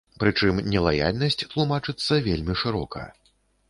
Прычым, нелаяльнасць тлумачыцца вельмі шырока.